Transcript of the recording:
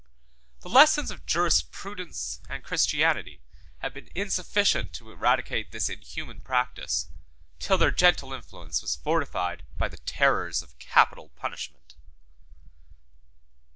The lessons of jurisprudence 113 and Christianity had been insufficient to eradicate this inhuman practice, till their gentle influence was fortified by the terrors of capital punishment.